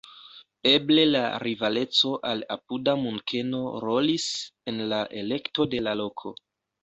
Eble la rivaleco al apuda Munkeno rolis en la elekto de la loko.